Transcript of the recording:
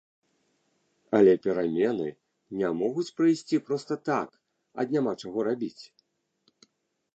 Але перамены не могуць прыйсці проста так, ад няма чаго рабіць.